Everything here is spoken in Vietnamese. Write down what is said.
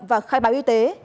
và khai báo y tế